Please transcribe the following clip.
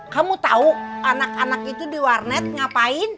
kamu tahu anak anak itu di warnet ngapain